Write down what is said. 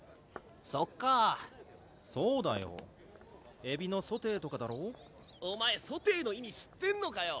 そっかそうだよエビのソテーとかだろお前ソテーの意味知ってんのかよ！